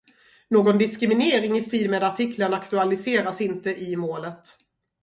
Någon diskriminering i strid med artikeln aktualiseras inte i målet.